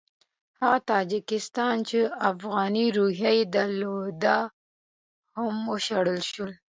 هغه تاجکان چې افغاني روحیې درلودې هم وشړل شول.